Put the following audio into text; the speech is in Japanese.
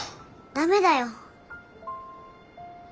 ダメだよ。